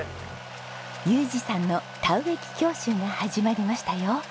裕次さんの田植機教習が始まりましたよ。